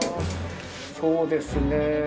そうですね